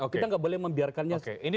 kita gak boleh membiarkannya seperti ini